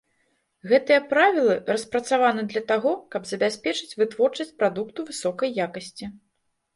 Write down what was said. Гэтыя правілы распрацаваны для таго, каб забяспечыць вытворчасць прадукту высокай якасці.